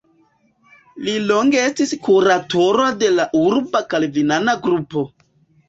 Li longe estis kuratoro de la urba kalvinana grupo.